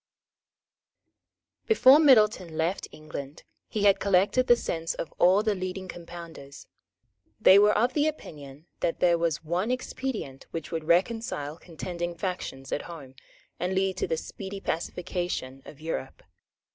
Before Middleton left England he had collected the sense of all the leading Compounders. They were of opinion that there was one expedient which would reconcile contending factions at home, and lead to the speedy pacification of Europe.